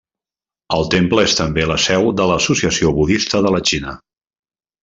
El temple és també la seu de l'Associació Budista de la Xina.